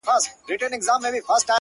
د جهنم منځ کي د اوسپني زنځیر ویده دی’